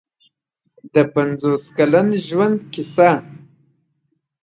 د پنځوس کلن ژوند کیسه.